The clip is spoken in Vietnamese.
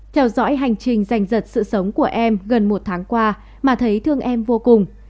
theo dõi hành trình giành giật sự sống của em gần một tháng qua mà thấy thương em vô cùng